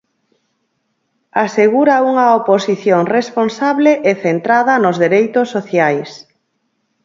Asegura unha oposición responsable e centrada nos dereitos sociais.